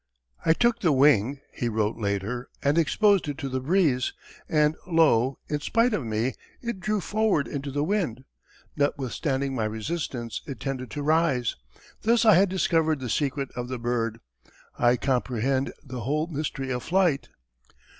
"I took the wing," he wrote later, "and exposed it to the breeze, and lo, in spite of me, it drew forward into the wind; notwithstanding my resistance it tended to rise. Thus I had discovered the secret of the bird. I comprehend the whole mystery of flight."